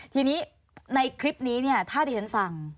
ทีนี้ในคลิปนี้ถ้าเดทันฟัง